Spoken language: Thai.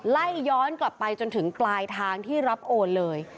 ไล่ย้อนกลับไปจนถึงปลายทางที่รับโอนเลย